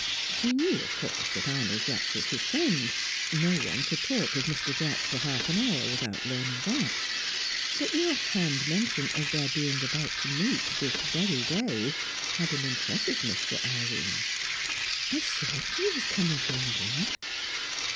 She knew, of course, that Arnold Jacks was his friend; no one could talk with Mr. Jacks for half an hour without learning that; but the off hand mention of their being about to meet this very day had an impressiveness for Irene. "I saw that he was coming to England."